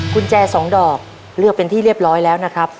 กุญแจสองดอกเลือกเป็นที่เรียบร้อยแล้วนะครับ